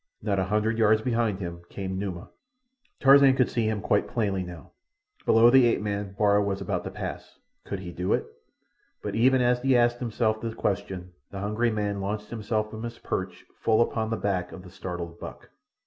Not a hundred yards behind him came Numa. Tarzan could see him quite plainly now. Below the ape man Bara was about to pass. Could he do it? But even as he asked himself the question the hungry man launched himself from his perch full upon the back of the startled buck.